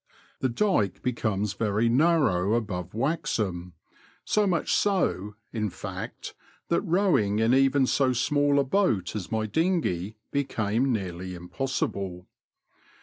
The dyke becomes very narrow above Waxham — so much so, in fsict, that rowing in even so small a boat as my dinghey became nearly impossible.